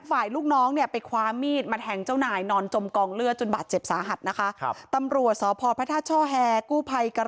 ลูกน้องเนี่ยไปคว้ามีดมาแทงเจ้านายนอนจมกองเลือดจนบาดเจ็บสาหัสนะคะ